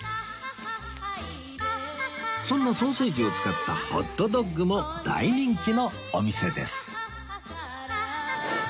そんなソーセージを使ったホットドッグも大人気のお店です